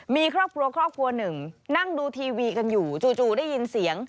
มีครอบครัว๑นั่งดูทีวีกันอยู่จู่จู่ได้ยินเสียง